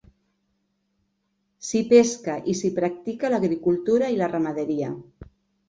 S'hi pesca i s'hi practica l'agricultura i la ramaderia.